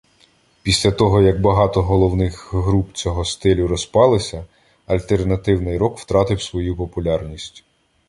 Після того як багато головних груп цього стилю розпалися, альтернативний рок втратив свою популярність.